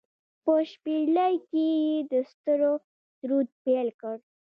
په شپیلۍ کې يې د ستورو سرود پیل کړ